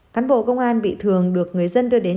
cán bộ công an bị thường được người dân đưa đến